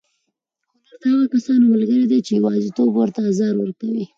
هنر د هغو کسانو ملګری دی چې یوازېتوب ورته ازار ورکوي.